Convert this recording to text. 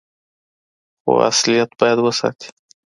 خو اصليت بايد وساتي.